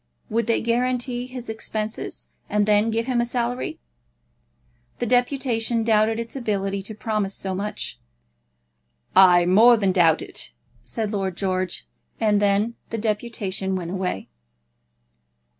Would they guarantee his expenses, and then give him a salary? The deputation doubted its ability to promise so much. "I more than doubt it," said Lord George; and then the deputation went away.